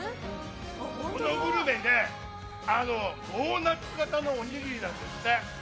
このグルメ、ドーナツ型のおにぎりなんですって。